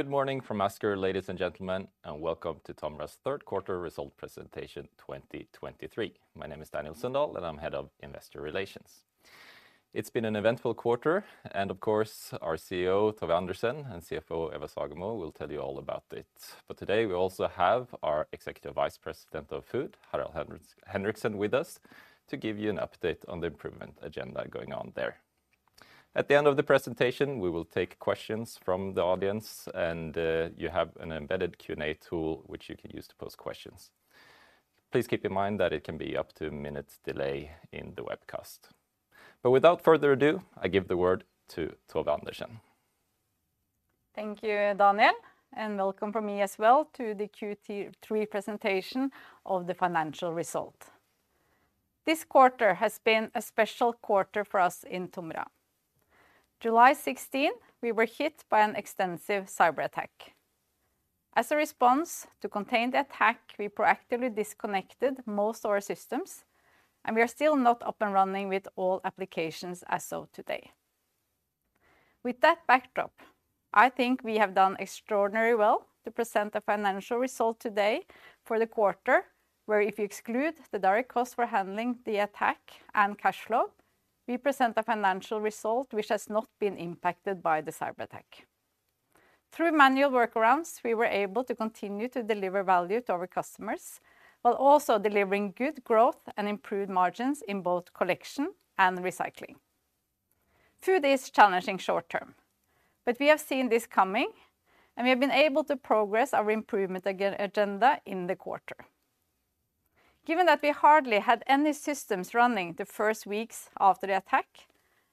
Good morning from Asker, ladies and gentlemen, and welcome to TOMRA's third quarter result presentation 2023. My name is Daniel Sundahl, and I'm Head of Investor Relations. It's been an eventful quarter, and of course, our CEO, Tove Andersen, and CFO, Eva Sagemo, will tell you all about it. Today, we also have our Executive Vice President of Food, Harald Henriksen, with us to give you an update on the improvement agenda going on there. At the end of the presentation, we will take questions from the audience, and you have an embedded Q&A tool, which you can use to pose questions. Please keep in mind that it can be up to a minute delay in the webcast. Without further ado, I give the word to Tove Andersen. Thank you, Daniel, and welcome from me as well to the Q3 presentation of the financial result. This quarter has been a special quarter for us in TOMRA. July 16, we were hit by an extensive cyberattack. As a response to contain the attack, we proactively disconnected most of our systems, and we are still not up and running with all applications as of today. With that backdrop, I think we have done extraordinarily well to present a financial result today for the quarter, where if you exclude the direct cost for handling the attack and cash flow, we present a financial result which has not been impacted by the cyberattack. Through manual workarounds, we were able to continue to deliver value to our customers, while also delivering good growth and improved margins in both Collection and Recycling. Food is challenging short term, but we have seen this coming, and we have been able to progress our improvement agenda in the quarter. Given that we hardly had any systems running the first weeks after the attack,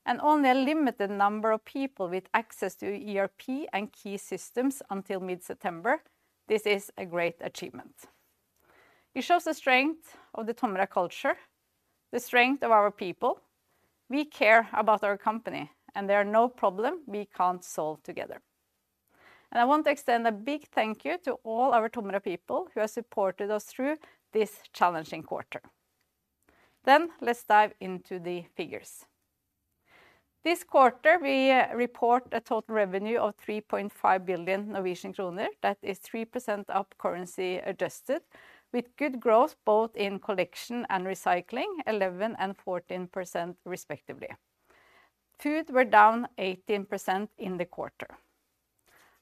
and only a limited number of people with access to ERP and key systems until mid-September, this is a great achievement. It shows the strength of the TOMRA culture, the strength of our people. We care about our company, and there are no problem we can't solve together. I want to extend a big thank you to all our TOMRA people who have supported us through this challenging quarter. Let's dive into the figures. This quarter, we report a total revenue of 3.5 billion Norwegian kroner. That is 3% up currency adjusted, with good growth both in Collection and Recycling, 11% and 14%, respectively. Food were down 18% in the quarter.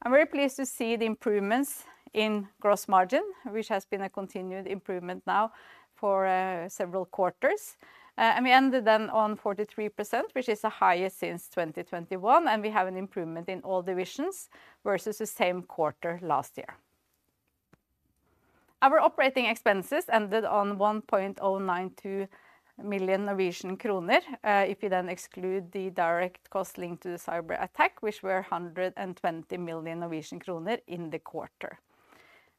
I'm very pleased to see the improvements in gross margin, which has been a continued improvement now for several quarters. We ended on 43%, which is the highest since 2021 and we have improvement in all divisions versus the same quarter last year. Our operating expenses ended on 1.092 million Norwegian kroner if you don't exclude the direct cost in cyberattack, which were 120 million Norwegian kroner in the quarter.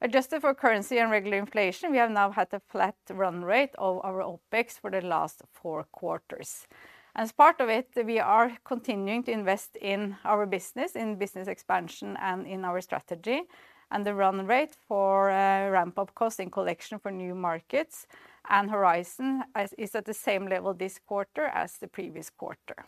Adjust for currency and regular inflation we have now had the flat run rate of our OpEx for the last four quarters. As part of it, we are continuing to invest in our business, in business expansion and in our strategy, and the run rate for ramp-up cost in Collection for new markets and Horizon is at the same level this quarter as the previous quarter.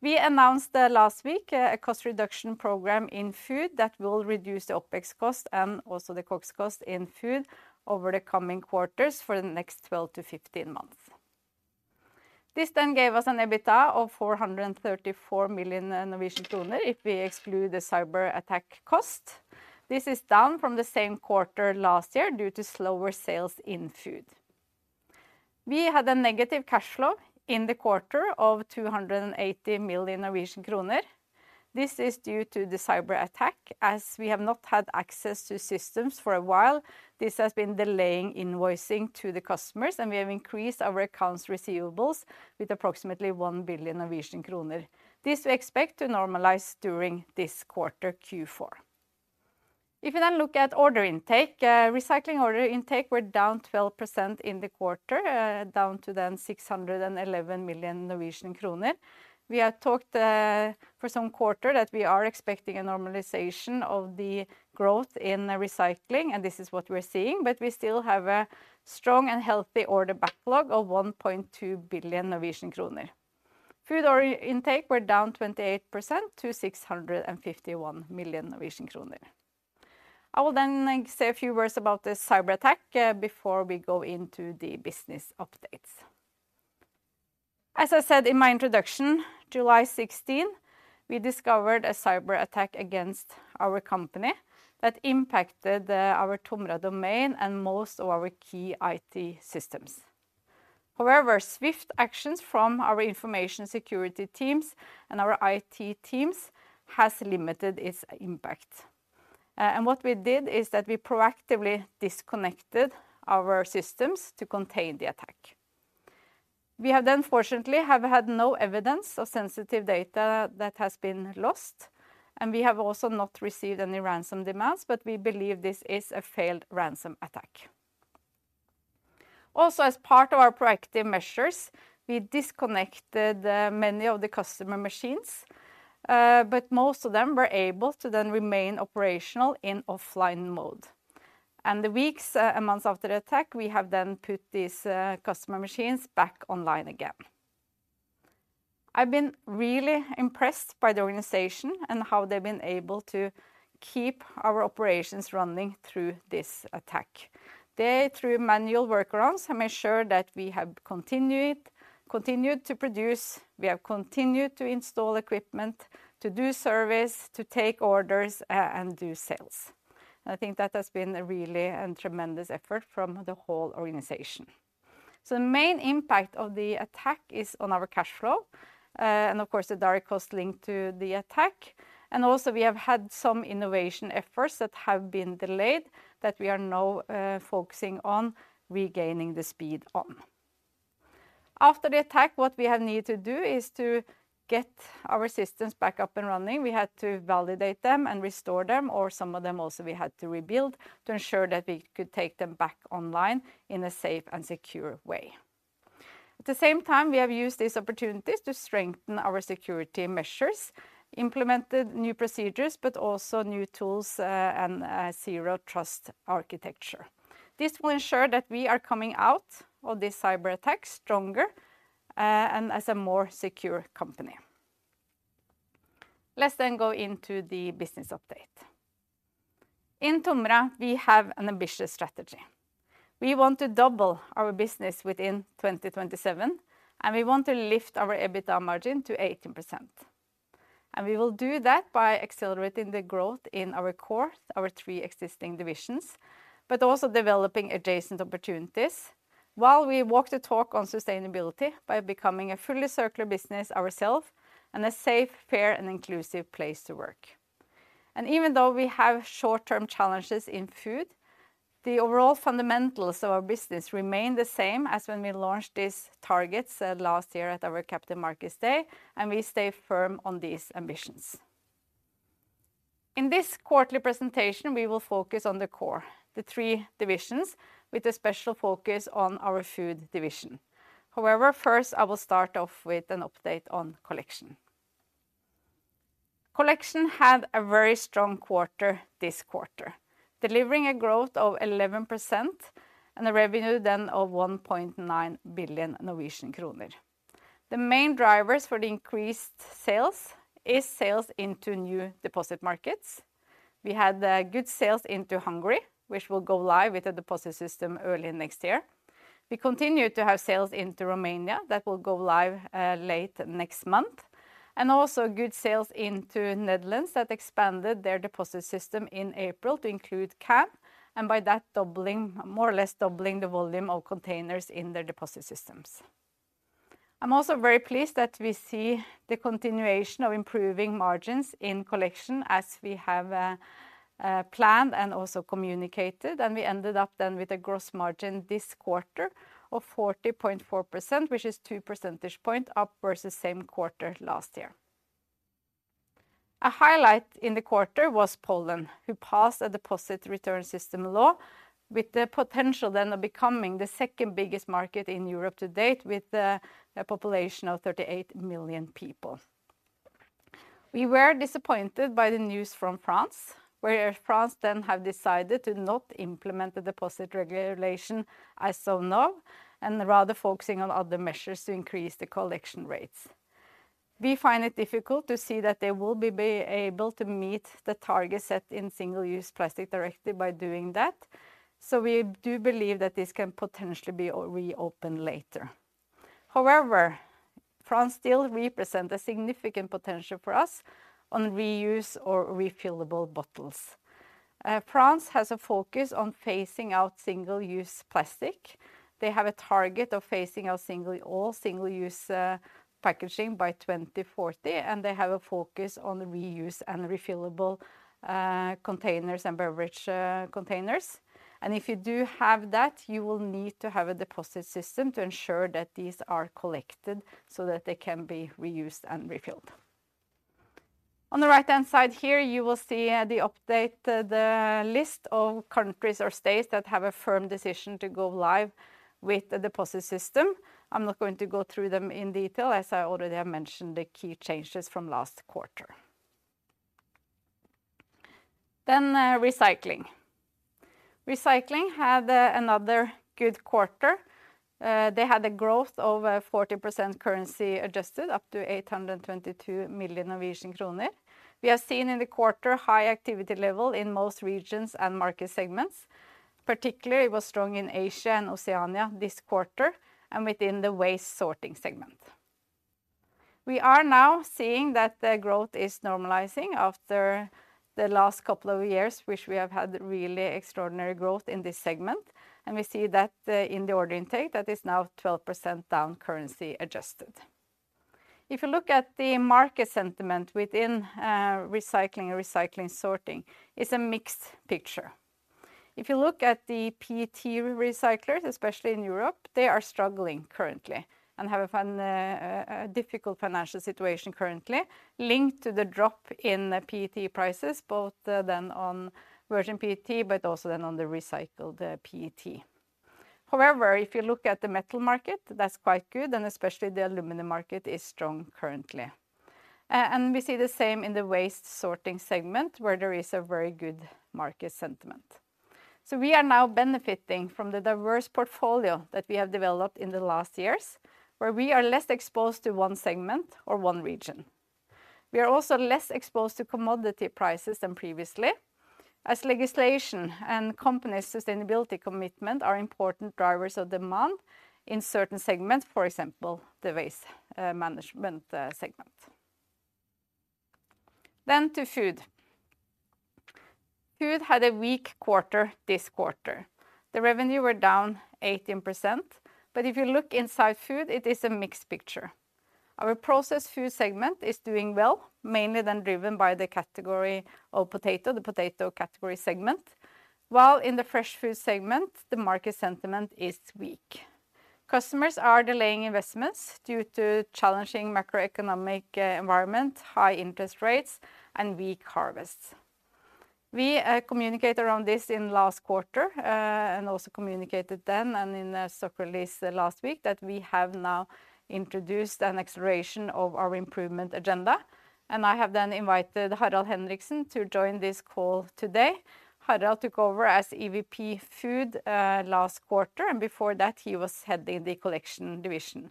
We announced last week a cost reduction program in Food that will reduce the OpEx cost and also the COGS cost in Food over the coming quarters for the next 12-15 months. This then gave us an EBITDA of 434 million Norwegian kroner, if we exclude the cyberattack cost. This is down from the same quarter last year due to slower sales in Food. We had a negative cash flow in the quarter of 280 million Norwegian kroner. This is due to the cyberattack, as we have not had access to systems for a while. This has been delaying invoicing to the customers, and we have increased our accounts receivables with approximately 1 billion Norwegian kroner. This we expect to normalize during this quarter, Q4. If you now look at order intake, Recycling order intake were down 12% in the quarter, down to then 611 million Norwegian kroner. We have talked for some quarter that we are expecting a normalization of the growth in Recycling, and this is what we're seeing, but we still have a strong and healthy order backlog of 1.2 billion Norwegian kroner. Food order intake were down 28% to 651 million Norwegian kroner. I will then say a few words about the cyberattack before we go into the business updates. As I said in my introduction, July 16, we discovered a cyberattack against our company that impacted our TOMRA domain and most of our key IT systems. However, swift actions from our information security teams and our IT teams has limited its impact. What we did is that we proactively disconnected our systems to contain the attack. We have then, fortunately, have had no evidence of sensitive data that has been lost, and we have also not received any ransom demands, but we believe this is a failed ransom attack. Also, as part of our proactive measures, we disconnected many of the customer machines, but most of them were able to then remain operational in offline mode. The weeks and months after the attack, we have then put these customer machines back online again. I've been really impressed by the organization and how they've been able to keep our operations running through this attack. They, through manual workarounds, have made sure that we have continued to produce, we have continued to install equipment, to do service, to take orders and do sales. I think that has been a really and tremendous effort from the whole organization. The main impact of the attack is on our cash flow and, of course, the direct cost linked to the attack. Also we have had some innovation efforts that have been delayed that we are now focusing on regaining the speed on. After the attack, what we have needed to do is to get our systems back up and running. "We had to validate them and restore them, or some of them also we had to rebuild to ensure that we could take them back online in a safe and secure way. The same time, we have used this opportunities to strengthen our security measures, implemented new procedures, but also new tools and Zero Trust Architecture. This will ensure that we are coming out on the cyberattacks stronger and as a more stronger company. Let's then go into the business update. In TOMRA, we have an ambitiuos strategy. We want to double our business within 2027, and we want to lift our EBITDA margin to 18%, and we will do that by accelerating the growth in our core, our three existing divisions, but also developing adjacent opportunities, while we walk the talk on sustainability by becoming a fully circular business ourself and a safe, fair, and inclusive place to work. Even though we have short-term challenges in food, the overall fundamentals of our business remain the same as when we launched these targets last year at our Capital Markets Day, and we stay firm on these ambitions. In this quarterly presentation, we will focus on the core, the three divisions, with a special focus on our food division. However, first, I will start off with an update on collection. Collection had a very strong quarter this quarter, delivering a growth of 11% and a revenue then of 1.9 billion Norwegian kroner. The main drivers for the increased sales is sales into new deposit markets. We had good sales into Hungary, which will go live with a deposit system early next year. We continue to have sales into Romania that will go live late next month, and also good sales into Netherlands that expanded their deposit system in April to include cans, and by that, doubling, more or less doubling the volume of containers in their deposit systems. I'm also very pleased that we see the continuation of improving margins in Collection as we have planned and also communicated, and we ended up then with a gross margin this quarter of 40.4%, which is two percentage point up versus same quarter last year. A highlight in the quarter was Poland, who passed a deposit return system law, with the potential then of becoming the second biggest market in Europe to date, with a population of 38 million people. We were disappointed by the news from France, where France then have decided to not implement the deposit regulation as so now, and rather focusing on other measures to increase the collection rates. We find it difficult to see that they will be able to meet the target set in Single-Use Plastics Directive by doing that, so we do believe that this can potentially be reopened later. However, France still represent a significant potential for us on reuse or refillable bottles. France has a focus on phasing out single-use plastic. They have a target of phasing out all single-use packaging by 2040, and they have a focus on reuse and refillable containers and beverage containers. If you do have that, you will need to have a deposit system to ensure that these are collected so that they can be reused and refilled. On the right-hand side here, you will see the update, the list of countries or states that have a firm decision to go live with the deposit system. I'm not going to go through them in detail, as I already have mentioned the key changes from last quarter. Recycling had another good quarter. They had a growth of 40% currency adjusted, up to 822 million Norwegian kroner. We have seen in the quarter high activity level in most regions and market segments. Particularly, it was strong in Asia and Oceania this quarter and within the waste sorting segment. We are now seeing that the growth is normalizing after the last couple of years, which we have had really extraordinary growth in this segment, and we see that in the order intake that is now 12% down, currency adjusted. If you look at the market sentiment within recycling and recycling sorting, it's a mixed picture. If you look at the PET recyclers, especially in Europe, they are struggling currently and have a difficult financial situation currently, linked to the drop in PET prices, both then on virgin PET, but also then on the recycled PET. However, if you look at the metal market, that's quite good, and especially the aluminum market is strong currently. We see the same in the waste sorting segment, where there is a very good market sentiment. We are now benefiting from the diverse portfolio that we have developed in the last years, where we are less exposed to one segment or one region. We are also less exposed to commodity prices than previously, as legislation and company sustainability commitment are important drivers of demand in certain segments, for example, the waste management segment. To Food. Food had a weak quarter this quarter. The revenue were down 18%, but if you look inside Food, it is a mixed picture. Our Processed Food segment is doing well, mainly then driven by the category of potato, the potato category segment, while in the Fresh Food segment, the market sentiment is weak. Customers are delaying investments due to challenging macroeconomic environment, high interest rates, and weak harvests. We communicated around this in last quarter and also communicated then and in a stock release last week, that we have now introduced an acceleration of our improvement agenda, and I have then invited Harald Henriksen to join this call today. Harald took over as EVP Food last quarter, and before that, he was heading the Collection division,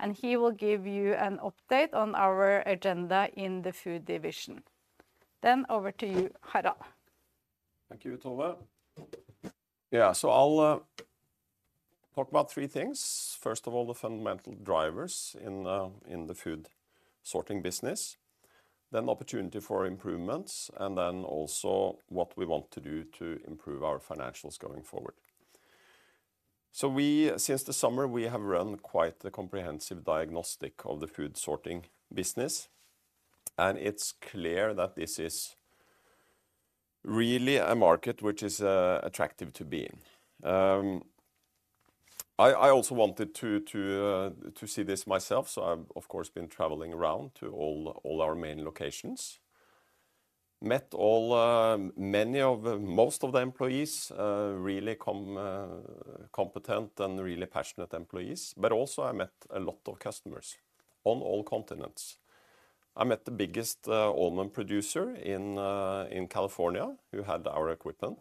and he will give you an update on our agenda in the Food division. Over to you, Harald. Thank you, Tove. Yeah, I'll talk about three things. First of all, the fundamental drivers in the food sorting business, then opportunity for improvements, and then also what we want to do to improve our financials going forward. Since the summer, we have run quite a comprehensive diagnostic of the food sorting business, and it's clear that this is really a market which is attractive to be in. I also wanted to see this myself, so I've, of course, been traveling around to all our main locations. Met many of, most of the employees, really competent and really passionate employees. I also met a lot of customers on all continents. I met the biggest almond producer in California, who had our equipment.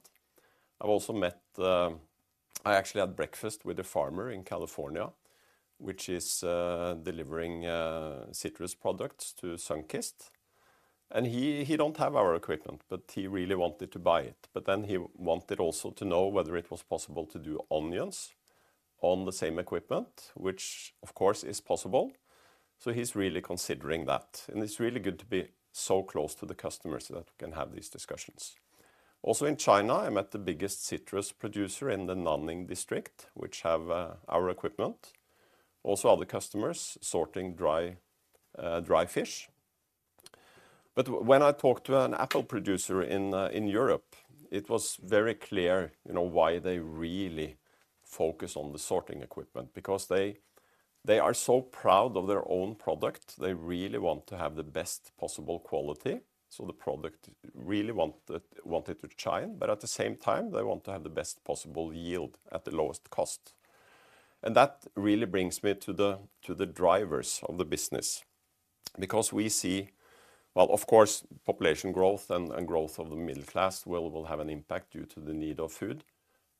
I've also met, I actually had breakfast with a farmer in California, which is delivering citrus products to Sunkist, and he don't have our equipment, but he really wanted to buy it. He wanted also to know whether it was possible to do onions on the same equipment, which of course is possible. He's really considering that, and it's really good to be so close to the customers that we can have these discussions. Also in China, I met the biggest citrus producer in the Nanning district, which have our equipment. Also, other customers sorting dry fish. When I talked to an apple producer in Europe, it was very clear, you know, why they really focus on the sorting equipment, because they are so proud of their own product. They really want to have the best possible quality, so the product wanted to shine, but at the same time, they want to have the best possible yield at the lowest cost. That really brings me to the drivers of the business. Well, of course, population growth and growth of the middle class will have an impact due to the need of food,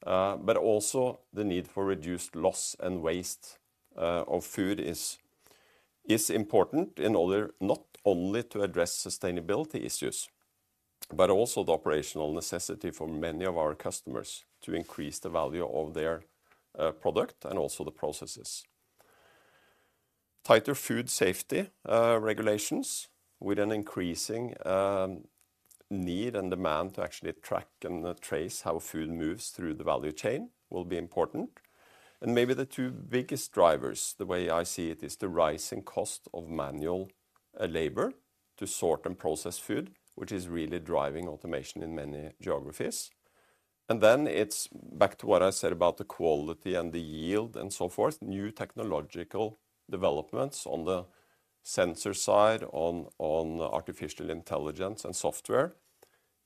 but also the need for reduced loss and waste of food is important in order not only to address sustainability issues, but also the operational necessity for many of our customers to increase the value of their product and also the processes. Tighter food safety regulations with an increasing need and demand to actually track and trace how food moves through the value chain will be important. Maybe the two biggest drivers, the way I see it, is the rising cost of manual labor to sort and process food, which is really driving automation in many geographies. Then it's back to what I said about the quality and the yield and so forth. New technological developments on the sensor side, on artificial intelligence and software,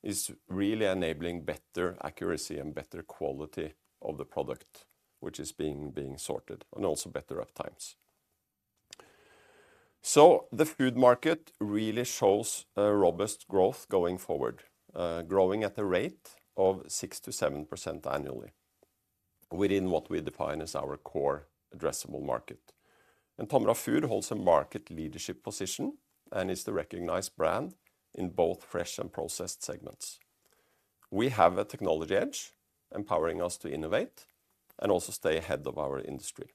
is really enabling better accuracy and better quality of the product, which is being sorted, and also better uptimes. The food market really shows a robust growth going forward, growing at a rate of 6%-7% annually within what we define as our core addressable market. TOMRA Food holds a market leadership position and is the recognized brand in both fresh and processed segments. We have a technology edge, empowering us to innovate and also stay ahead of our industry.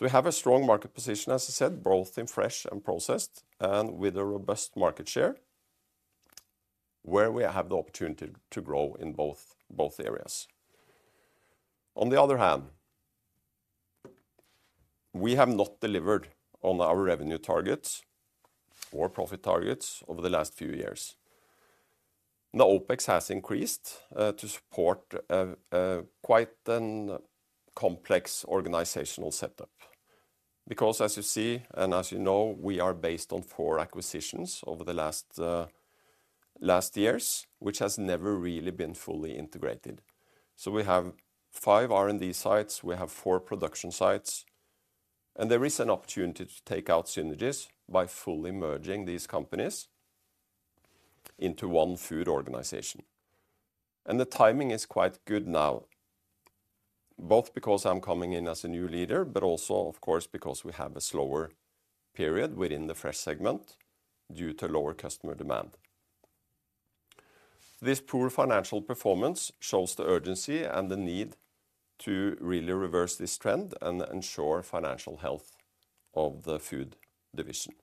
We have a strong market position, as I said, both in fresh and processed, and with a robust market share, where we have the opportunity to grow in both areas. On the other hand, we have not delivered on our revenue targets or profit targets over the last few years. The OpEx has increased to support quite an complex organizational setup, because as you see, and as you know, we are based on four acquisitions over the last years, which has never really been fully integrated. We have five R&D sites, we have four production sites. There is an opportunity to take out synergies by fully merging these companies into one food organization. The timing is quite good now, both because I'm coming in as a new leader, but also, of course, because we have a slower period within the Fresh segment due to lower customer demand. This poor financial performance shows the urgency and the need to really reverse this trend and ensure financial health of the Food division.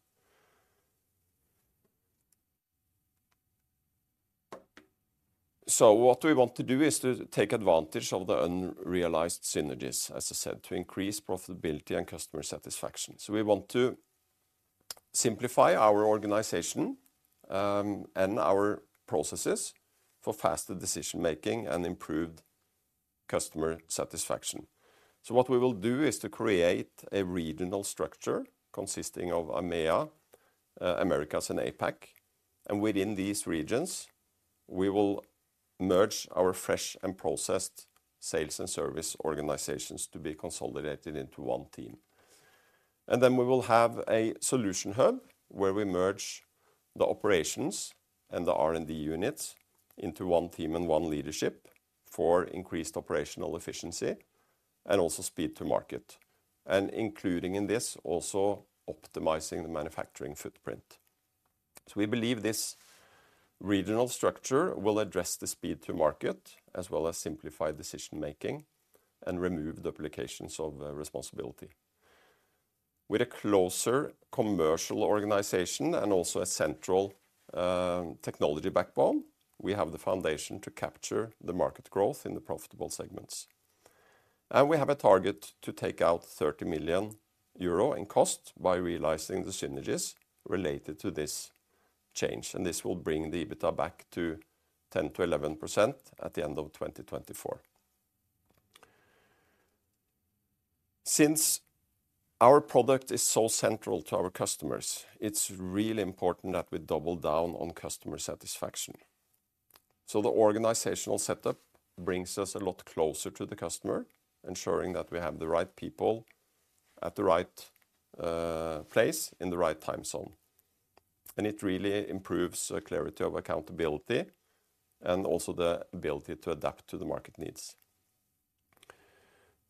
What we want to do is to take advantage of the unrealized synergies, as I said, to increase profitability and customer satisfaction. We want to simplify our organization and our processes for faster decision-making and improved customer satisfaction. What we will do is to create a regional structure consisting of EMEA, Americas, and APAC. Within these regions, we will merge our Fresh and Processed sales and service organizations to be consolidated into one team. We will have a solution hub, where we merge the operations and the R&D units into one team and one leadership for increased operational efficiency and also speed to market, and including in this also optimizing the manufacturing footprint. We believe this regional structure will address the speed to market, as well as simplify decision-making and remove duplications of responsibility. With a closer commercial organization and also a central technology backbone, we have the foundation to capture the market growth in the profitable segments. We have a target to take out 30 million euro in cost by realizing the synergies related to this change, and this will bring the EBITDA back to 10%-11% at the end of 2024. Since our product is so central to our customers, it's really important that we double down on customer satisfaction. The organizational setup brings us a lot closer to the customer, ensuring that we have the right people at the right place in the right time zone, and it really improves the clarity of accountability and also the ability to adapt to the market needs.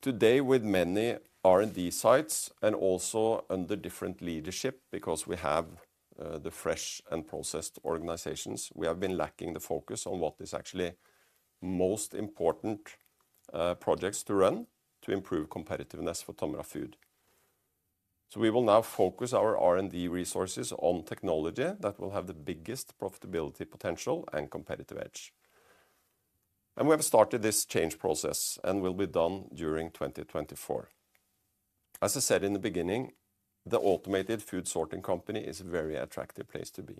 Today, with many R&D sites and also under different leadership, because we have the fresh and processed organizations, we have been lacking the focus on what is actually most important projects to run to improve competitiveness for TOMRA Food. We will now focus our R&D resources on technology that will have the biggest profitability, potential, and competitive edge. We have started this change process and will be done during 2024. As I said in the beginning, the automated food sorting company is a very attractive place to be.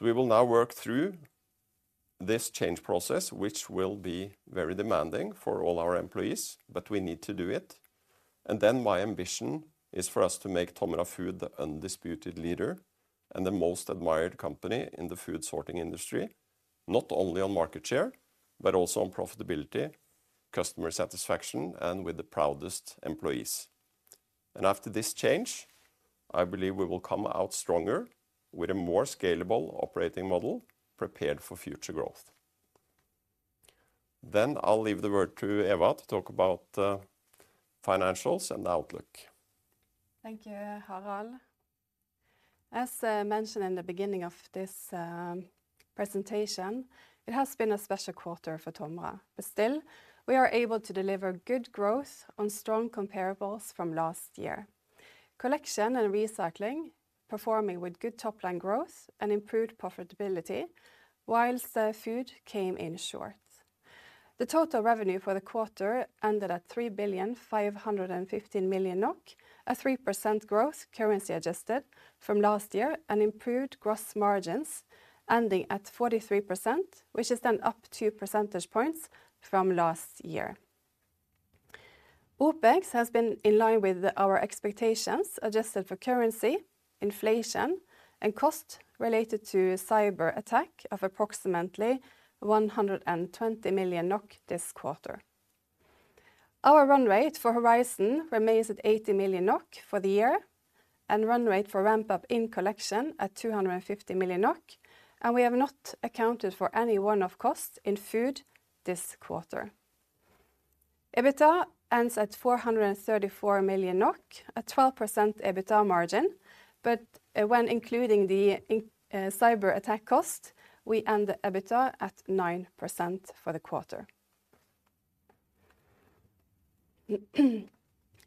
We will now work through this change process, which will be very demanding for all our employees, but we need to do it. My ambition is for us to make TOMRA Food the undisputed leader and the most admired company in the food sorting industry, not only on market share, but also on profitability, customer satisfaction, and with the proudest employees. After this change, I believe we will come out stronger with a more scalable operating model prepared for future growth. I'll leave the word to Eva to talk about financials and outlook. Thank you, Harald. As mentioned in the beginning of this presentation, it has been a special quarter for TOMRA, but still, we are able to deliver good growth on strong comparables from last year. Collection and Recycling, performing with good top-line growth and improved profitability, whilst Food came in short. The total revenue for the quarter ended at 3,515 million NOK, a 3% growth, currency adjusted, from last year, and improved gross margins, ending at 43%, which is then up two percentage points from last year. OpEx has been in line with our expectations, adjusted for currency, inflation, and cost related to cyberattack of approximately 120 million NOK this quarter. Our run rate for Horizon remains at 80 million NOK for the year, and run rate for ramp-up in Collection at 250 million NOK, and we have not accounted for any one-off costs in Food this quarter. EBITDA ends at 434 million NOK, a 12% EBITDA margin, but when including the cyberattack cost, we end the EBITDA at 9% for the quarter.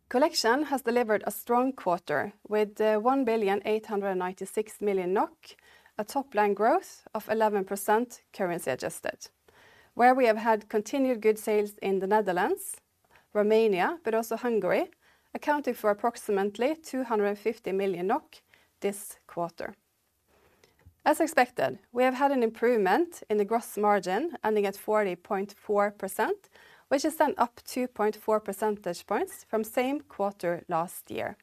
Collection has delivered a strong quarter with 1,896 million NOK, a top-line growth of 11%, currency adjusted, where we have had continued good sales in the Netherlands, Romania, but also Hungary, accounting for approximately 250 million NOK this quarter. As expected, we have had an improvement in the gross margin, ending at 40.4%, which is then up 2.4 percentage points from same quarter last year.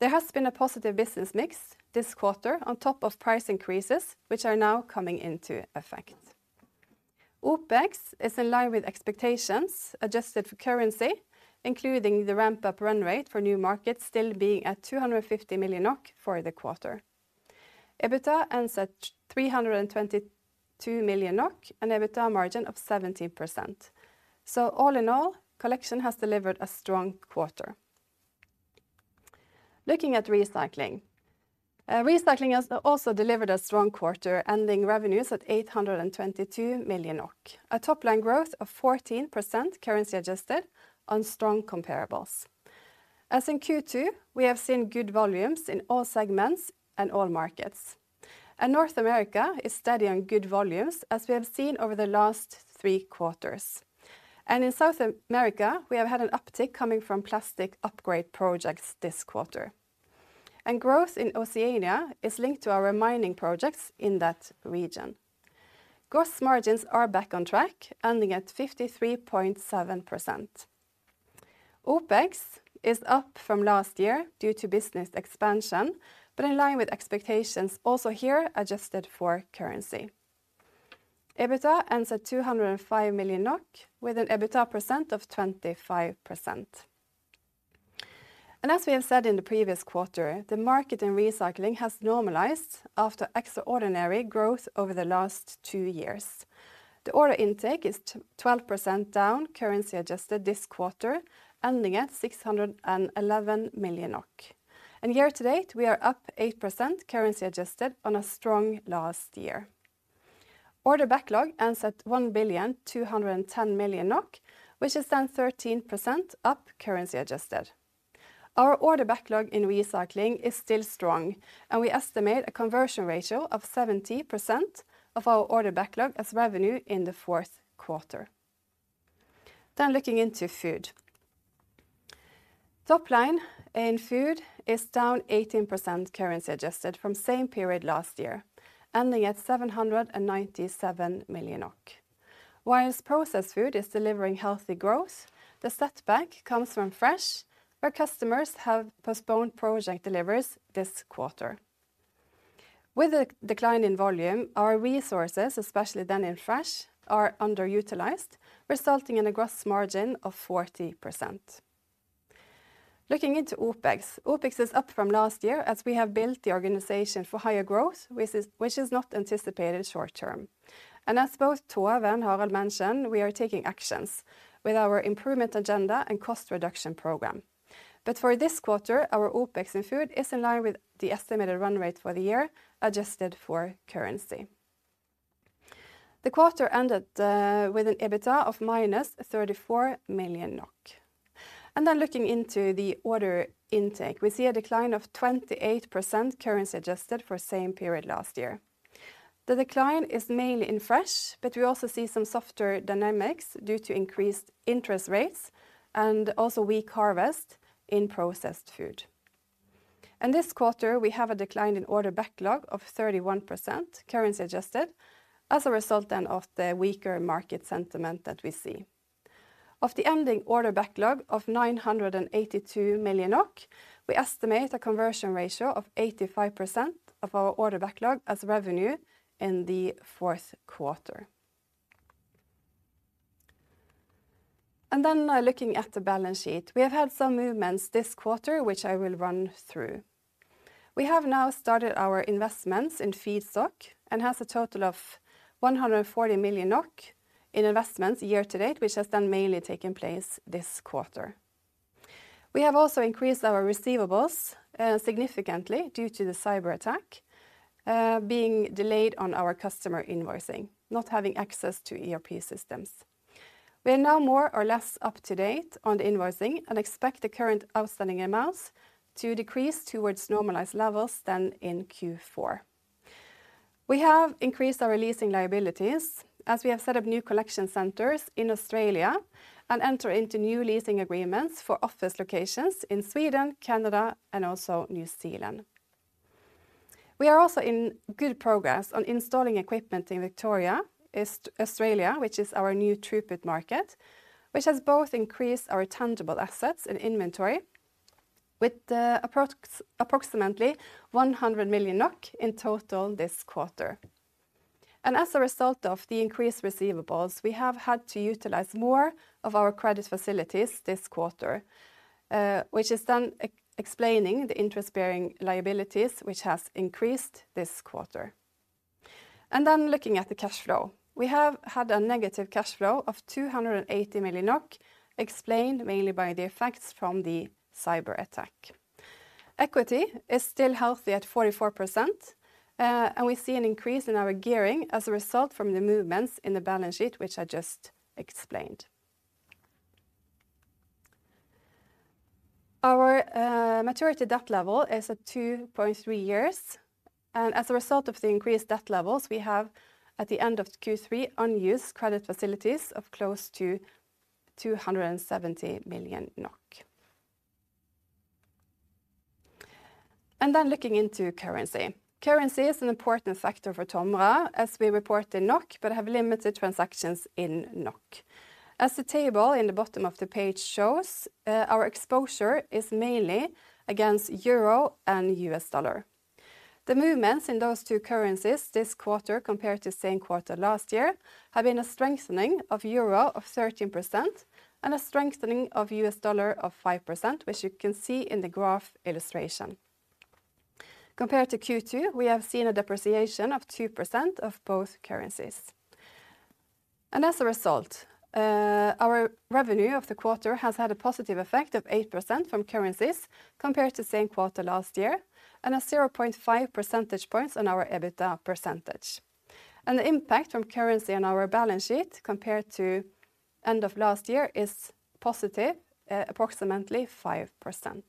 There has been a positive business mix this quarter on top of price increases, which are now coming into effect. OpEx is in line with expectations, adjusted for currency, including the ramp-up run rate for new markets still being at 250 million NOK for the quarter. EBITDA ends at 322 million NOK, and EBITDA margin of 17%. All in all, Collection has delivered a strong quarter. Looking at Recycling, Recycling has also delivered a strong quarter, ending revenues at 822 million, a top-line growth of 14% currency adjusted on strong comparables. As in Q2, we have seen good volumes in all segments and all markets, and North America is steady on good volumes, as we have seen over the last three quarters. In South America, we have had an uptick coming from plastic upgrade projects this quarter. Growth in Oceania is linked to our mining projects in that region. Gross margins are back on track, ending at 53.7%. OpEx is up from last year due to business expansion, but in line with expectations also here, adjusted for currency. EBITDA ends at 205 million NOK, with an EBITDA percent of 25%. As we have said in the previous quarter, the market in recycling has normalized after extraordinary growth over the last two years. The order intake is 12% down, currency-adjusted this quarter, ending at 611 million NOK. Year-to-date, we are up 8%, currency-adjusted, on a strong last year. Order backlog ends at 1.210 billion, which is then 13% up, currency-adjusted. Our order backlog in Recycling is still strong, and we estimate a conversion ratio of 70% of our order backlog as revenue in the fourth quarter. Looking into Food, top line in Food is down 18%, currency-adjusted, from same period last year, ending at 797 million. Whilst Processed Food is delivering healthy growth, the setback comes from Fresh, where customers have postponed project deliveries this quarter. With a decline in volume, our resources, especially then in Fresh, are underutilized, resulting in a gross margin of 40%. Looking into OpEx, OpEx is up from last year, as we have built the organization for higher growth, which is not anticipated short-term. As both Tove and Harald mentioned, we are taking actions with our improvement agenda and cost reduction program. For this quarter, our OpEx in Food is in line with the estimated run rate for the year, adjusted for currency. The quarter ended with an EBITDA of -34 million NOK. Looking into the order intake, we see a decline of 28%, currency-adjusted, for same period last year. The decline is mainly in Fresh, but we also see some softer dynamics due to increased interest rates and also weak harvest in Processed Food. In this quarter, we have a decline in order backlog of 31%, currency adjusted, as a result then of the weaker market sentiment that we see. Of the ending order backlog of 982 million NOK, we estimate a conversion ratio of 85% of our order backlog as revenue in the fourth quarter. Looking at the balance sheet, we have had some movements this quarter, which I will run through. We have now started our investments in feedstock and has a total of 140 million NOK in investments year to date, which has then mainly taken place this quarter. We have also increased our receivables significantly due to the cyberattack, being delayed on our customer invoicing, not having access to ERP systems. We are now more or less up to date on the invoicing and expect the current outstanding amounts to decrease towards normalized levels then in Q4. We have increased our leasing liabilities as we have set up new collection centers in Australia and enter into new leasing agreements for office locations in Sweden, Canada, and also New Zealand. We are also in good progress on installing equipment in Victoria, Australia, which is our new throughput market, which has both increased our tangible assets and inventory with 100 million NOK in total this quarter. As a result of the increased receivables, we have had to utilize more of our credit facilities this quarter, which is then explaining the interest-bearing liabilities, which has increased this quarter. Looking at the cash flow. We have had a negative cash flow of 280 million NOK, explained mainly by the effects from the cyberattack. Equity is still healthy at 44%, and we see an increase in our gearing as a result from the movements in the balance sheet, which I just explained. Our maturity debt level is at 2.3 years, and as a result of the increased debt levels, we have, at the end of Q3, unused credit facilities of close to 270 million NOK. Looking into currency. Currency is an important factor for TOMRA as we report in NOK, but have limited transactions in NOK. As the table in the bottom of the page shows, our exposure is mainly against euro and U.S. dollar. The movements in those two currencies this quarter compared to same quarter last year have been a strengthening of euro of 13% and a strengthening of U.S. dollar of 5%, which you can see in the graph illustration. Compared to Q2, we have seen a depreciation of 2% of both currencies. As a result, our revenue of the quarter has had a positive effect of 8% from currencies compared to same quarter last year, and a 0.5 percentage points on our EBITDA percentage. The impact from currency on our balance sheet compared to end of last year is positive, approximately 5%.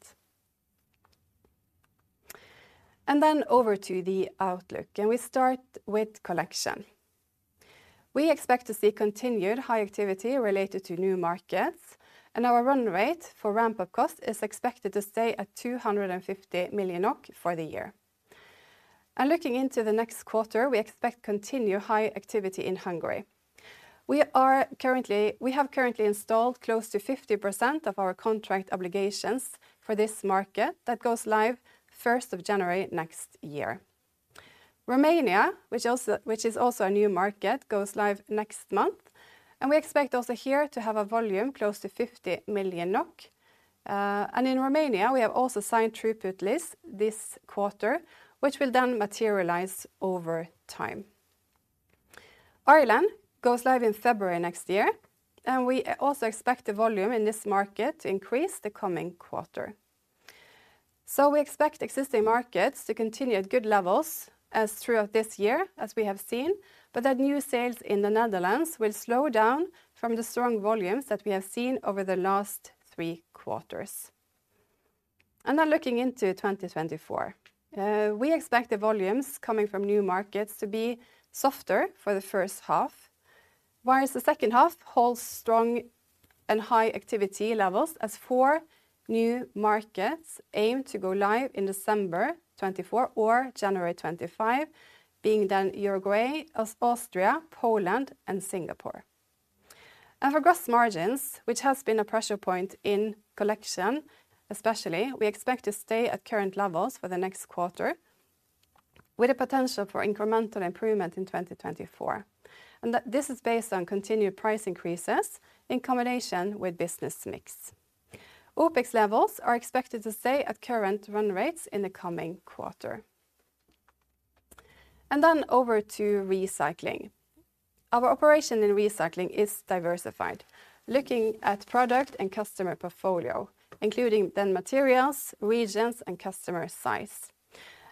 Over to the outlook, and we start with collection. We expect to see continued high activity related to new markets, and our run rate for ramp-up cost is expected to stay at 250 million NOK for the year. Looking into the next quarter, we expect continued high activity in Hungary. We have currently installed close to 50% of our contract obligations for this market that goes live 1st of January next year. Romania, which is also a new market, goes live next month, and we expect also here to have a volume close to 50 million NOK. In Romania, we have also signed throughput list this quarter, which will then materialize over time. Ireland goes live in February next year, and we also expect the volume in this market to increase the coming quarter. We expect existing markets to continue at good levels as throughout this year, as we have seen, but that new sales in the Netherlands will slow down from the strong volumes that we have seen over the last three quarters. Now looking into 2024, we expect the volumes coming from new markets to be softer for the first half, whereas the second half holds strong and high activity levels as four new markets aim to go live in December 2024 or January 2025, being then Uruguay, Austria, Poland, and Singapore. For gross margins, which has been a pressure point in Collection, especially, we expect to stay at current levels for the next quarter, with a potential for incremental improvement in 2024, and that this is based on continued price increases in combination with business mix. OpEx levels are expected to stay at current run rates in the coming quarter. Over to recycling. Our operation in recycling is diversified, looking at product and customer portfolio, including then materials, regions, and customer size.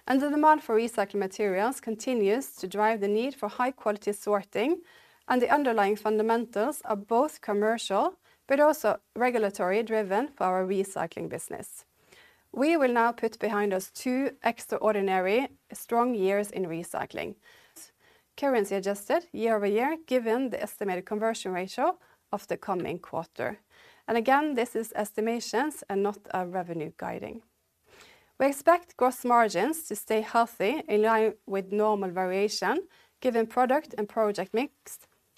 The demand for recycling materials continues to drive the need for high-quality sorting, and the underlying fundamentals are both commercial but also regulatory-driven for our recycling business. We will now put behind us two extraordinary strong years in recycling, currency adjusted year-over-year, given the estimated conversion ratio of the coming quarter. Again, this is estimations and not a revenue guiding. We expect gross margins to stay healthy in line with normal variation, given product and project mix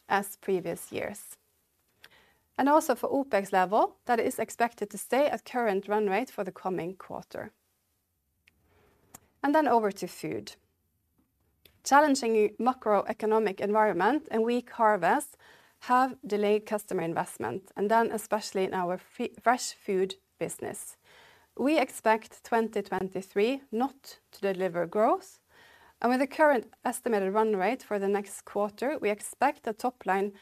as previous years. Also for OpEx level, that is expected to stay at current run rate for the coming quarter. Over to food. Challenging macroeconomic environment and weak harvest have delayed customer investment, and then especially in our fresh food business. We expect 2023 not to deliver growth, and with the current estimated run rate for the next quarter, we expect the top line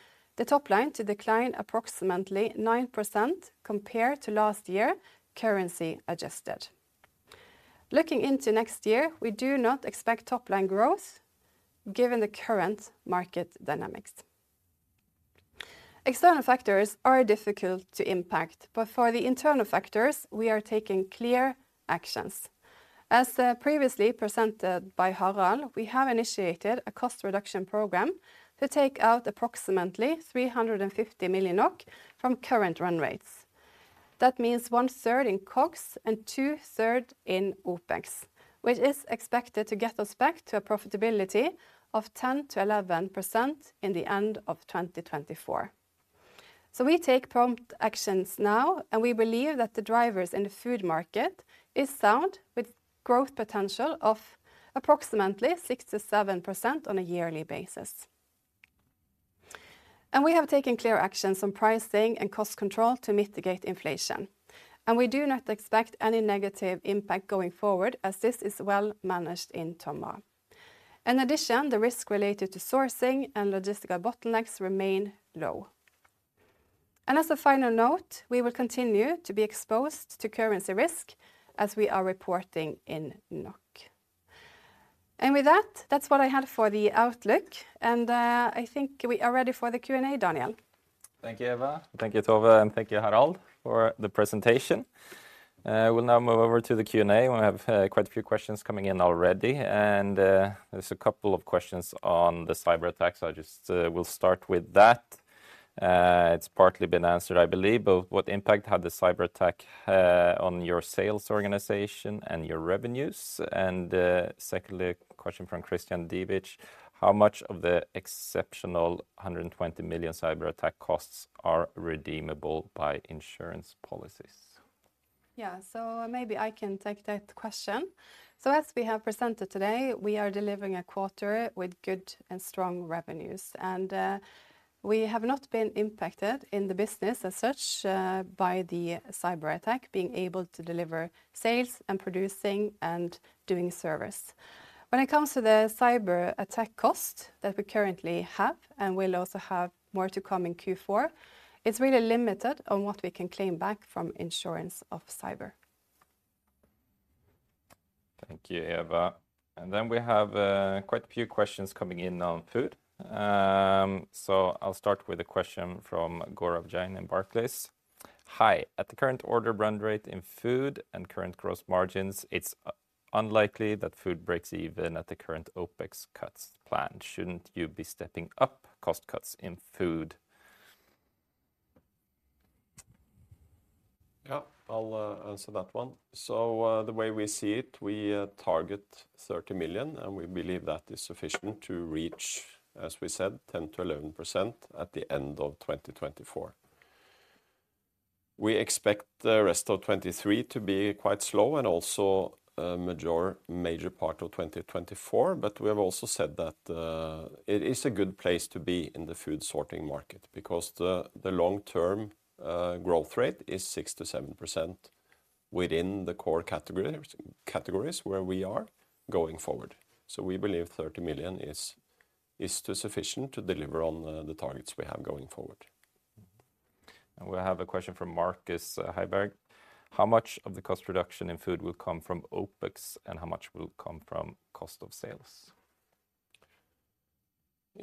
to decline approximately 9% compared to last year, currency-adjusted. Looking into next year, we do not expect top-line growth given the current market dynamics. External factors are difficult to impact, but for the internal factors, we are taking clear actions. As previously presented by Harald, we have initiated a cost reduction program to take out approximately 350 million NOK from current run rates. That means one-third in COGS and two-third in OpEx, which is expected to get us back to a profitability of 10%-11% in the end of 2024. We take prompt actions now, and we believe that the drivers in the food market is sound, with growth potential of approximately 6%-7% on a yearly basis. We have taken clear actions on pricing and cost control to mitigate inflation, and we do not expect any negative impact going forward as this is well managed in TOMRA. In addition, the risk related to sourcing and logistical bottlenecks remain low. As a final note, we will continue to be exposed to currency risk as we are reporting in NOK. With that, that's what I had for the outlook, and I think we are ready for the Q&A, Daniel. Thank you, Eva. Thank you, Tove, and thank you, Harald, for the presentation. We'll now move over to the Q&A. We have quite a few questions coming in already, and there's a couple of questions on the cyberattack, so I just will start with that. It's partly been answered, I believe, but what impact had the cyberattack on your sales organization and your revenues? Secondly, a question from Christian Diebitsch: How much of the exceptional 120 million cyberattack costs are redeemable by insurance policies? Yeah, so maybe I can take that question. As we have presented today, we are delivering a quarter with good and strong revenues, and we have not been impacted in the business as such by the cyberattack, being able to deliver sales, and producing, and doing service. When it comes to the cyberattack cost that we currently have, and we'll also have more to come in Q4, it's really limited on what we can claim back from insurance of cyber. Thank you, Eva. We have quite a few questions coming in now on food. I'll start with a question from Gaurav Jain in Barclays. Hi. At the current order run rate in food and current gross margins, it's unlikely that food breaks even at the current OpEx cuts plan. Shouldn't you be stepping up cost cuts in food? Yeah, I'll answer that one. The way we see it, we target 30 million, and we believe that is sufficient to reach, as we said, 10%-11% at the end of 2024. We expect the rest of 2023 to be quite slow and also, a major, major part of 2024, but we have also said that it is a good place to be in the food sorting market, because the long-term growth rate is 6%-7% within the core categories, categories where we are going forward. We believe 30 million is sufficient to deliver on the targets we have going forward. We have a question from Markus Heiberg: "How much of the cost reduction in food will come from OpEx, and how much will come from cost of sales?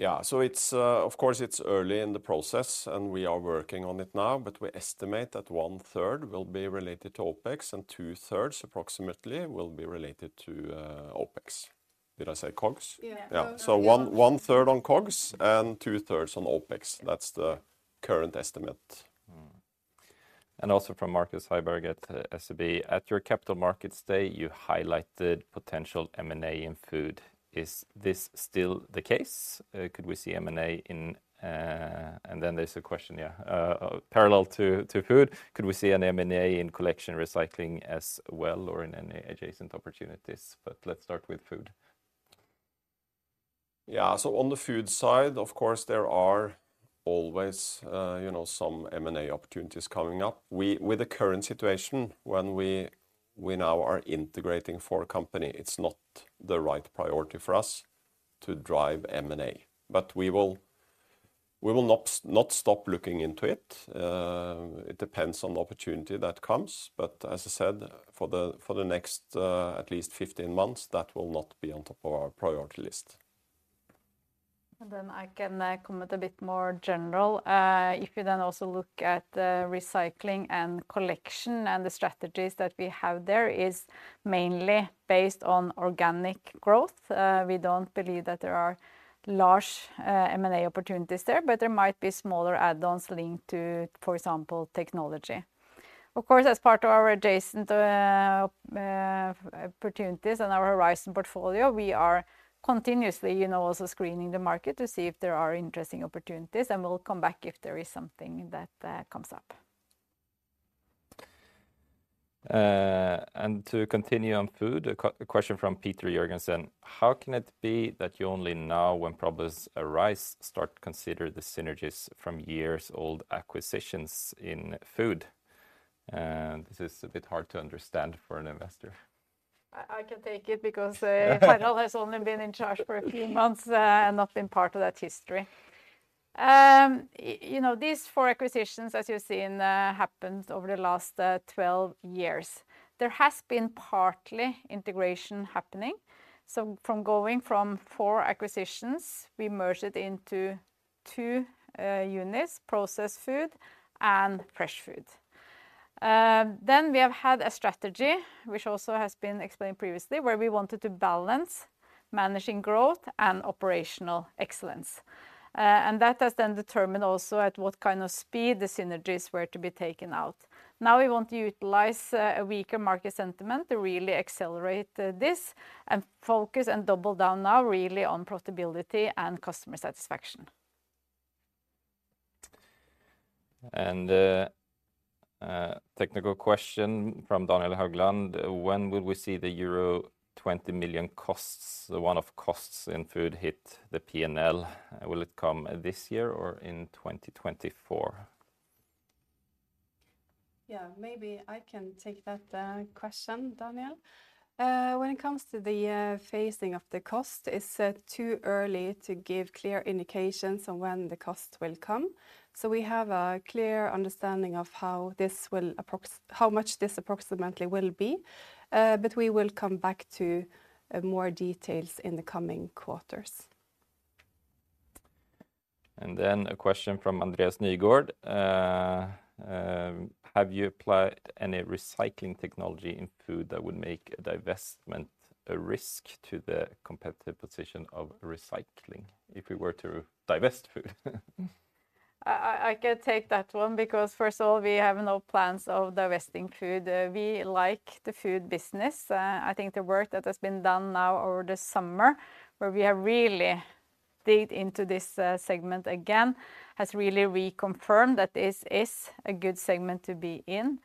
Of course, it's early in the process, and we are working on it now, but we estimate that one-third will be related to OpEx, and 2/3, approximately, will be related to OpEx. Did I say COGS? Yeah. Yeah. One-third on COGS and two-thirds on OpEx. That's the current estimate. Also from Marcus Heiberg at SEB: "At your Capital Markets Day, you highlighted potential M&A in Food. Is this still the case? Could we see M&A in..." There's a question, yeah, parallel to Food: "Could we see an M&A in Collection Recycling as well, or in any adjacent opportunities?" Let's start with Food. Yeah, on the food side, of course, there are always, you know, some M&A opportunities coming up. With the current situation, when we now are integrating for a company, it's not the right priority for us to drive M&A, but we will not stop looking into it. It depends on the opportunity that comes, but as I said, for the next, at least 15 months, that will not be on top of our priority list. I can comment a bit more general. If you then also look at the recycling and collection and the strategies that we have there is mainly based on organic growth. We don't believe that there are large M&A opportunities there, but there might be smaller add-ons linked to, for example, technology. Of course, as part of our adjacent opportunities and our Horizon portfolio, we are continuously, you know, also screening the market to see if there are interesting opportunities, and we'll come back if there is something that comes up. To continue on food, a question from Petrine Jörgensen: "How can it be that you only now, when problems arise, start to consider the synergies from years-old acquisitions in food? This is a bit hard to understand for an investor. I can take it because Harald has only been in charge for a few months and not been part of that history. You know, these four acquisitions, as you've seen, happened over the last 12 years. There has been partly integration happening, so from going from four acquisitions, we merged it into two units, Processed Food and Fresh Food. We have had a strategy, which also has been explained previously, where we wanted to balance managing growth and operational excellence. That has then determined also at what kind of speed the synergies were to be taken out. Now we want to utilize a weaker market sentiment to really accelerate this and focus and double down now really on profitability and customer satisfaction. A technical question from Daniel Haugland: "When will we see the euro 20 million costs, the one-off costs in Food hit the P&L? Will it come this year or in 2024? Yeah, maybe I can take that question, Daniel. When it comes to the phasing of the cost, it's too early to give clear indications on when the cost will come. We have a clear understanding of how much this approximately will be, but we will come back to more details in the coming quarters. A question from Andreas Nygaard: Have you applied any recycling technology in food that would make a divestment a risk to the competitive position of recycling, if we were to divest food? I can take that one, because first of all, we have no plans of divesting food. We like the food business. I think the work that has been done now over the summer, where we are dig into this segment again, has really reconfirmed that this is a good segment to be in.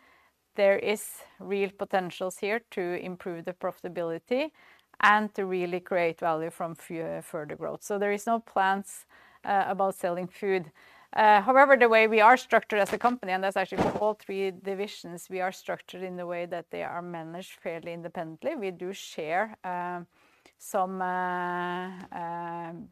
There is real potentials here to improve the profitability and to really create value from further growth. There is no plans about selling food. However, the way we are structured as a company, and that's actually for all three divisions, we are structured in the way that they are managed fairly independently. We do share some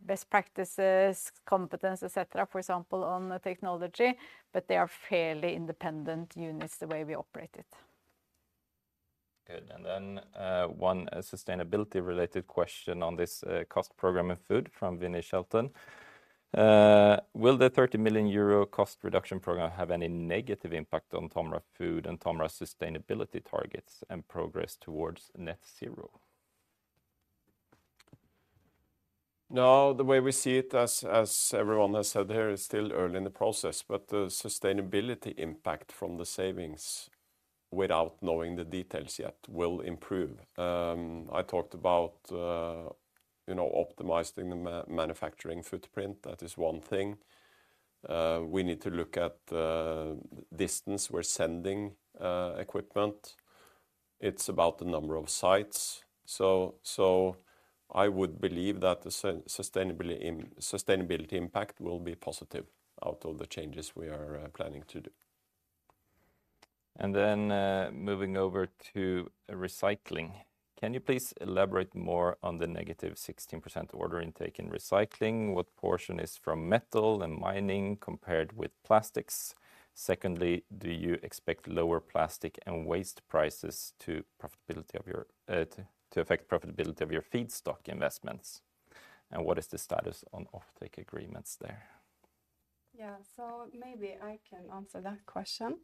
best practices, competence, et cetera, for example, on the technology, but they are fairly independent units, the way we operate it. Good. One sustainability-related question on this cost program in Food from Venice Shelton. Will the 30 million euro cost reduction program have any negative impact on TOMRA Food and TOMRA's sustainability targets and progress towards net zero? No, the way we see it, as everyone has said here, it's still early in the process, but the sustainability impact from the savings, without knowing the details yet, will improve. I talked about, you know, optimizing the manufacturing footprint. That is one thing. We need to look at the distance we're sending equipment. It's about the number of sites. I would believe that the sustainability impact will be positive out of the changes we are planning to do. Moving over to Recycling. "Can you please elaborate more on the -16% order intake in Recycling? What portion is from metal and mining compared with plastics? Secondly, do you expect lower plastic and waste prices to affect profitability of your feedstock investments, and what is the status on offtake agreements there? Maybe I can answer that question.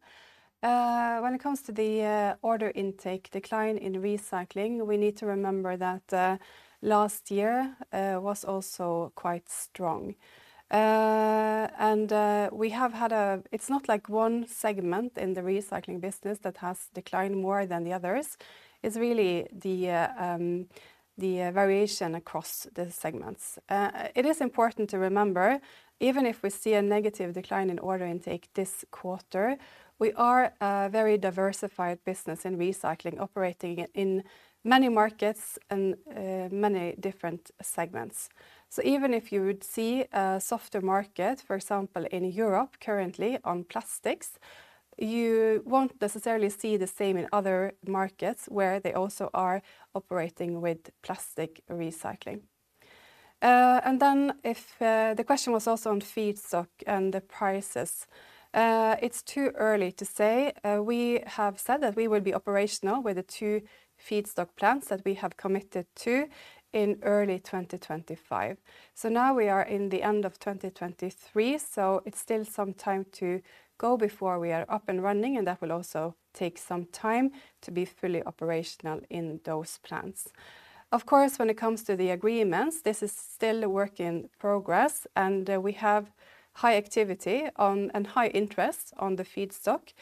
When it comes to the order intake decline in recycling, we need to remember that last year was also quite strong. It's not like one segment in the recycling business that has declined more than the others. It's really the variation across the segments. It is important to remember, even if we see a negative decline in order intake this quarter, we are a very diversified business in recycling, operating in many markets and many different segments. Even if you would see a softer market, for example, in Europe currently on plastics, you won't necessarily see the same in other markets where they also are operating with plastic recycling. If the question was also on feedstock and the prices, it's too early to say. We have said that we will be operational with the two feedstock plants that we have committed to in early 2025. Now we are in the end of 2023, so it's still some time to go before we are up and running, and that will also take some time to be fully operational in those plants. Of course, when it comes to the agreements, this is still a work in progress, and we have high activity on and high interest on the feedstock.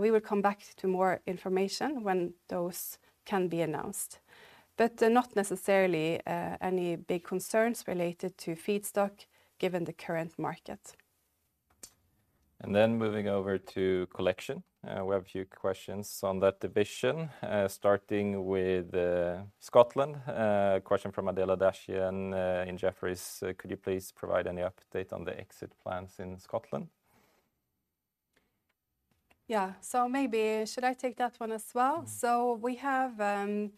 We will come back to more information when those can be announced. Not necessarily any big concerns related to feedstock, given the current market. Moving over to Collection, we have a few questions on that division, starting with Scotland. Question from Adela Dashian in Jefferies: "Could you please provide any update on the exit plans in Scotland? Yeah. Maybe should I take that one as well? Mm-hmm.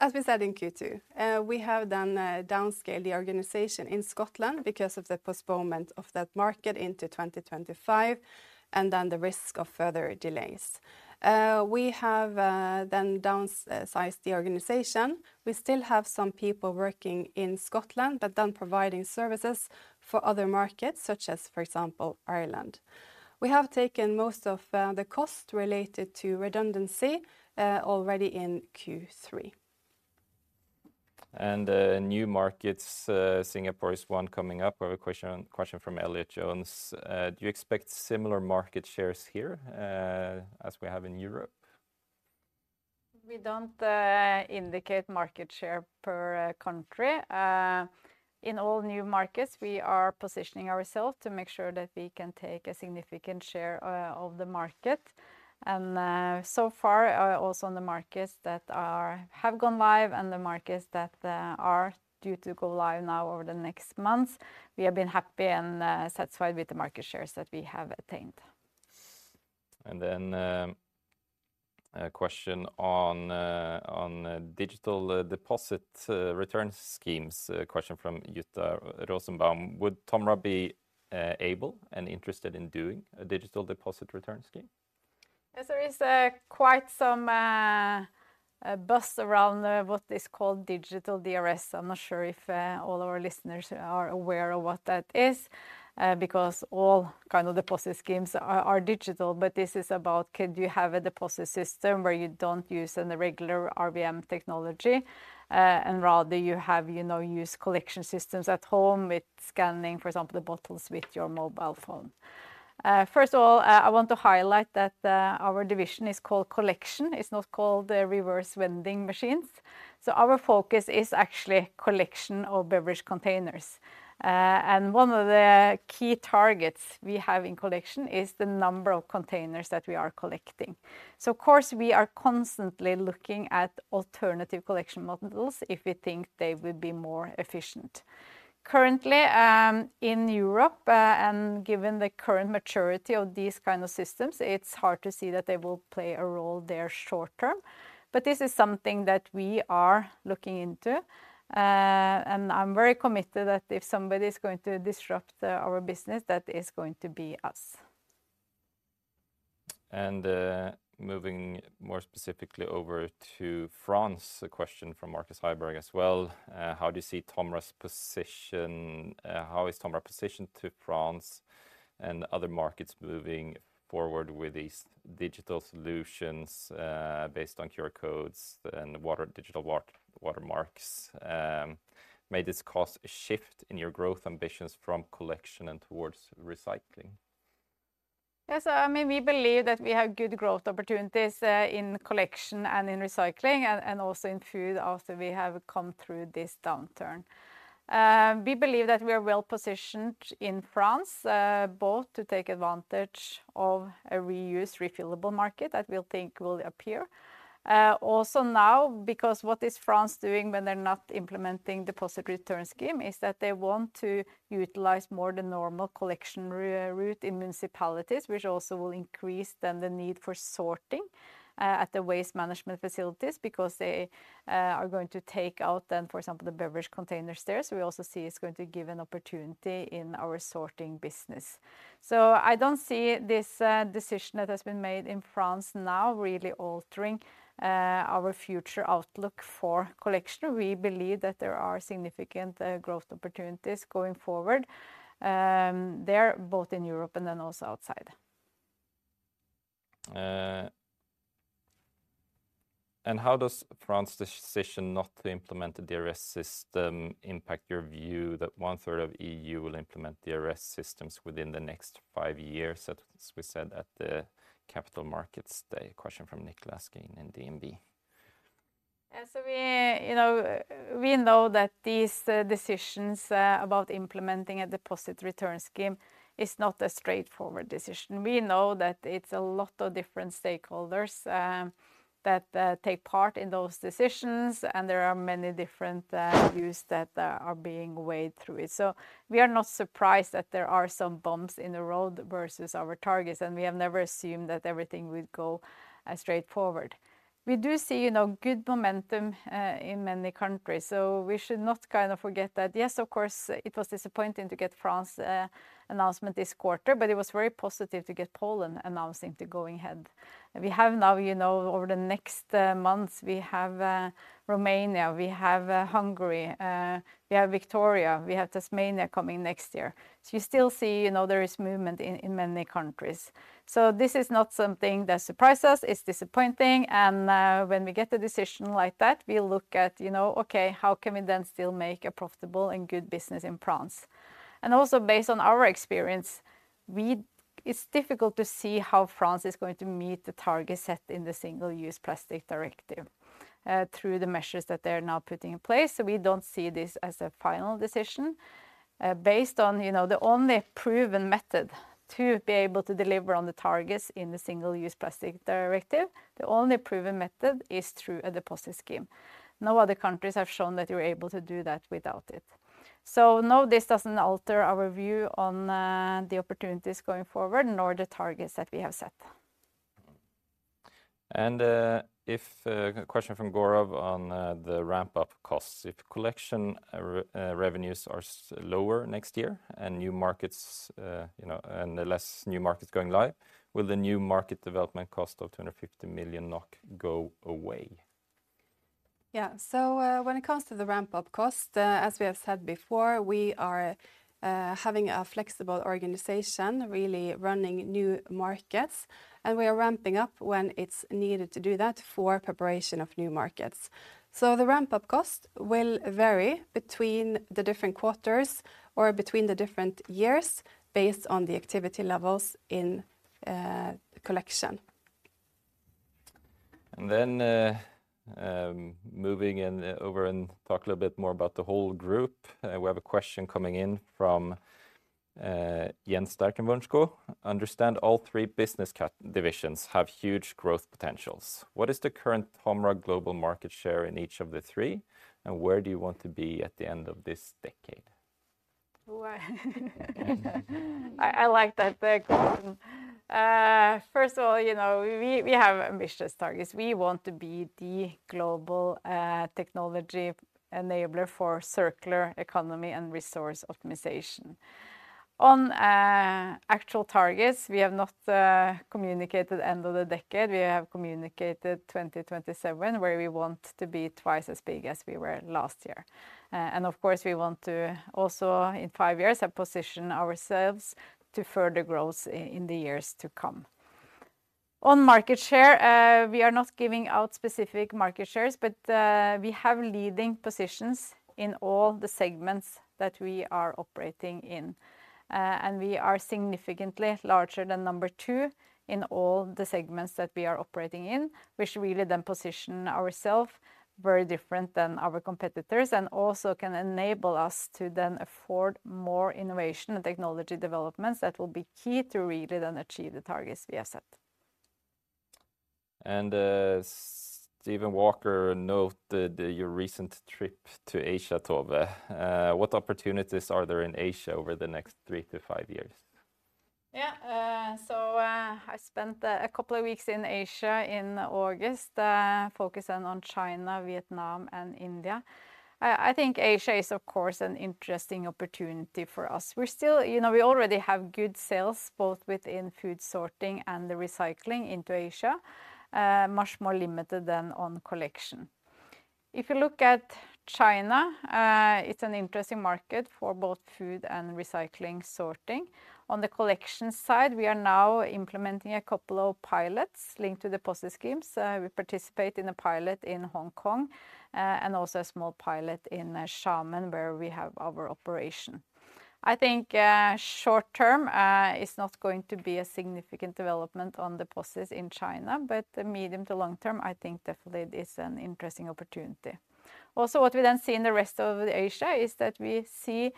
As we said in Q2, we have done downscale the organization in Scotland because of the postponement of that market into 2025 and then the risk of further delays. We have then downsized the organization. We still have some people working in Scotland, but then providing services for other markets, such as, for example, Ireland. We have taken most of the cost related to redundancy already in Q3. New markets, Singapore is one coming up. I have a question from Elliott Jones: "Do you expect similar market shares here as we have in Europe? We don't indicate market share per country. In all new markets, we are positioning ourselves to make sure that we can take a significant share of the market. So far, also in the markets that have gone live and the markets that are due to go live now over the next months, we have been happy and satisfied with the market shares that we have attained. A question on digital deposit return schemes. A question from Jutta Rosenbaum: Would TOMRA be able and interested in doing a digital deposit return scheme? Yes, there is quite some buzz around what is called digital DRS. I'm not sure if all our listeners are aware of what that is because all kind of deposit schemes are digital. This is about, could you have a deposit system where you don't use an regular RVM technology and rather you have, you know, use collection systems at home with scanning, for example, the bottles with your mobile phone? First of all, I want to highlight that our division is called Collection. It's not called reverse vending machines. Our focus is actually collection of beverage containers. One of the key targets we have in collection is the number of containers that we are collecting. Of course, we are constantly looking at alternative collection models if we think they will be more efficient. Currently in Europe and given the current maturity of these kind of systems, it's hard to see that they will play a role there short term, but this is something that we are looking into. I'm very committed that if somebody's going to disrupt our business, that it's going to be us. Moving more specifically over to France, a question from Marcus Heiberg as well. How do you see TOMRA's position? How is TOMRA positioned to France and other markets moving forward with these digital solutions based on QR codes and digital watermarks? May this cause a shift in your growth ambitions from collection and towards recycling? Yeah, so I mean, we believe that we have good growth opportunities in collection and in recycling, and also in food after we have come through this downturn. We believe that we are well positioned in France, both to take advantage of a reuse refillable market that we'll think will appear. Also now, because what is France doing when they're not implementing deposit return scheme, is that they want to utilize more the normal collection route in municipalities, which also will increase then the need for sorting at the waste management facilities, because they are going to take out then, for example, the beverage containers there. We also see it's going to give an opportunity in our sorting business. I don't see this decision that has been made in France now really altering our future outlook for collection. We believe that there are significant growth opportunities going forward there, both in Europe and then also outside. And how does France's decision that the implemented DRS system impact your view that 1/3 of EU will implement DRS systems within the next five years as you said at the Capital Markets Day? A question from Niclas from DNB. Yeah, we, you know, we know that these decisions about implementing a deposit return scheme is not a straightforward decision. We know that it's a lot of different stakeholders that take part in those decisions, and there are many different views that are being weighed through it. We are not surprised that there are some bumps in the road versus our targets, and we have never assumed that everything would go straightforward. We do see, you know, good momentum in many countries, so we should not kind of forget that. Yes, of course, it was disappointing to get France announcement this quarter, but it was very positive to get Poland announcing to going ahead. We have now, you know, over the next months, we have Romania, we have Hungary, we have Victoria, we have Tasmania coming next year. You still see, you know, there is movement in many countries. This is not something that surprised us. It's disappointing, and when we get a decision like that, we look at, you know, "Okay, how can we then still make a profitable and good business in France?" Also based on our experience, it's difficult to see how France is going to meet the target set in the Single-Use Plastics Directive through the measures that they're now putting in place. We don't see this as a final decision. Based on, you know, the only proven method to be able to deliver on the targets in the Single-Use Plastics Directive, the only proven method is through a deposit scheme. No other countries have shown that you're able to do that without it. No, this doesn't alter our view on the opportunities going forward, nor the targets that we have set. If a question from Gaurav on the ramp-up costs: If collection revenues are lower next year, and new markets, you know, and less new markets going live, will the new market development cost of 250 million NOK go away? Yeah, when it comes to the ramp-up cost, as we have said before, we are having a flexible organization, really running new markets, and we are ramping up when it's needed to do that for preparation of new markets. The ramp-up cost will vary between the different quarters or between the different years, based on the activity levels in Collection. Moving in over and talk a little bit more about the whole group, we have a question coming in from Jens Starkenwünscho: "Understand all three business divisions have huge growth potentials. What is the current TOMRA global market share in each of the three, and where do you want to be at the end of this decade? I like that question. First of all, you know, we have ambitious targets. We want to be the global technology enabler for circular economy and resource optimization. On actual targets, we have not communicated end of the decade. We have communicated 2027, where we want to be twice as big as we were last year. Of course, we want to also, in five years, have positioned ourselves to further growth in the years to come. On market share, we are not giving out specific market shares, but we have leading positions in all the segments that we are operating in. We are significantly larger than number two in all the segments that we are operating in, which really then position ourself very different than our competitors, and also can enable us to then afford more innovation and technology developments that will be key to really then achieve the targets we have set. Steven Walker noted your recent trip to Asia, Tove. What opportunities are there in Asia over the next three to five years? Yeah. I spent a couple of weeks in Asia in August focusing on China, Vietnam, and India. I think Asia is, of course, an interesting opportunity for us. You know, we already have good sales, both within food sorting and the recycling into Asia, much more limited than on collection. If you look at China, it's an interesting market for both food and recycling sorting. On the collection side, we are now implementing a couple of pilots linked to deposit schemes. We participate in a pilot in Hong Kong and also a small pilot in Xiamen, where we have our operation. I think, short term, it's not going to be a significant development on deposits in China, but the medium to long term, I think definitely it is an interesting opportunity. Also, what we then see in the rest of Asia is that we see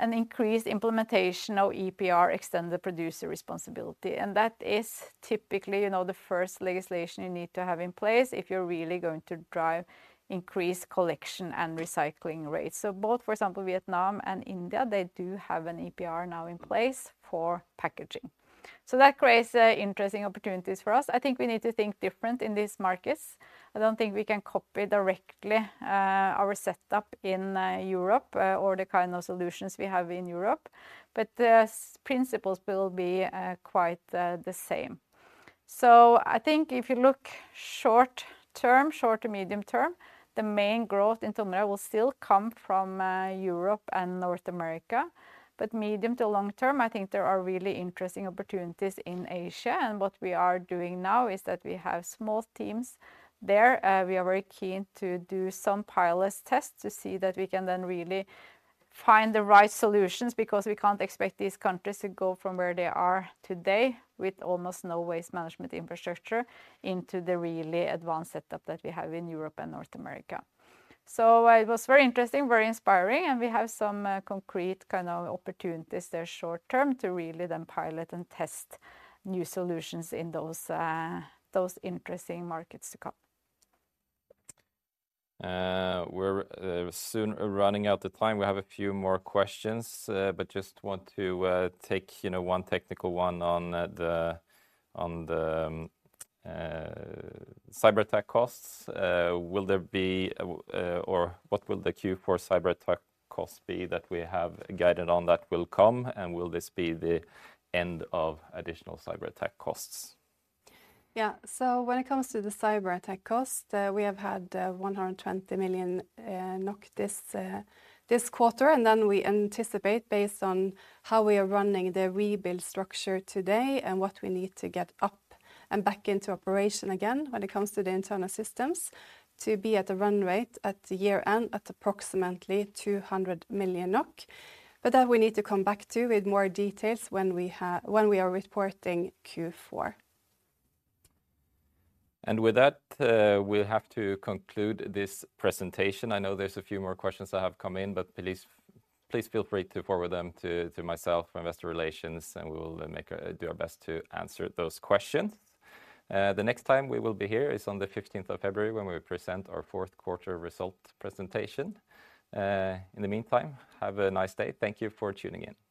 an increased implementation of EPR, Extended Producer Responsibility, and that is typically, you know, the first legislation you need to have in place if you're really going to drive increased collection and recycling rates. Both, for example, Vietnam and India, they do have an EPR now in place for packaging. That creates interesting opportunities for us. I think we need to think different in these markets. I don't think we can copy directly our setup in Europe or the kind of solutions we have in Europe, but the principles will be quite the same. I think if you look short term, short to medium term, the main growth in TOMRA will still come from Europe and North America. Medium to long term, I think there are really interesting opportunities in Asia, and what we are doing now is that we have small teams there. We are very keen to do some pilot tests to see that we can then really find the right solutions, because we can't expect these countries to go from where they are today, with almost no waste management infrastructure, into the really advanced setup that we have in Europe and North America. It was very interesting, very inspiring, and we have some concrete kind of opportunities there short term to really then pilot and test new solutions in those interesting markets to come. We're soon running out of time. We have a few more questions, but just want to take, you know, one technical one on the cyberattack costs. Will there be, or what will the Q4 cyberattack cost be that we have guided on that will come, and will this be the end of additional cyberattack costs? Yeah. When it comes to the cyberattack cost, we have had 120 million NOK this quarter, and then we anticipate, based on how we are running the rebuild structure today and what we need to get up and back into operation again, when it comes to the internal systems, to be at a run rate at the year-end at approximately 200 million NOK. But that we need to come back to with more details when we are reporting Q4. And with that, we have to conclude this presentation. I know there's a few more questions that are coming in. But please feel free to forward them to myself, investor relations and we'll make our best to answer those questions. The next time we will be here is on the 15th of February where we'll present our fourth quarter result presentation. In the meantime, have a nice day. Thank you for tuning in.